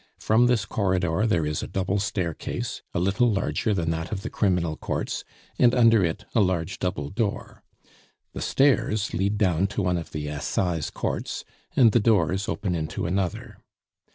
From this corridor there is a double staircase, a little larger than that of the Criminal Courts, and under it a large double door. The stairs lead down to one of the Assize Courts, and the doors open into another.